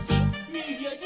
「みぎあし」